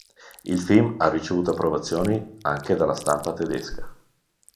Il film ha ricevuto approvazioni anche dalla stampa tedesca.